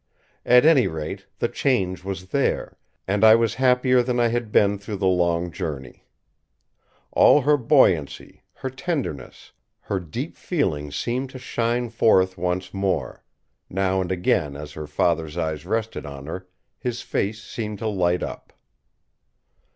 At any rate the change was there, and I was happier than I had been through the long journey. All her buoyancy, her tenderness, her deep feeling seemed to shine forth once more; now and again as her father's eyes rested on her, his face seemed to light up.